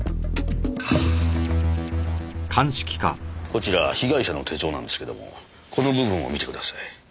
こちら被害者の手帳なんですけどもこの部分を見てください。